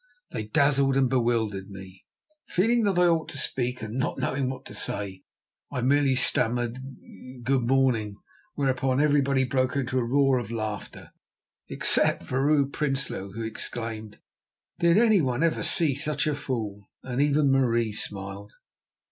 They dazzled and bewildered me. Feeling that I ought to speak, and not knowing what to say, I merely stammered "Good morning," whereon everyone broke into a roar of laughter, except Vrouw Prinsloo, who exclaimed: "Did any one ever see such a fool?" and even Marie smiled.